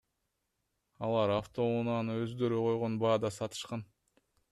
Алар автоунааны өздөрү койгон баада сатышкан.